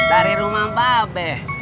dari rumah babeh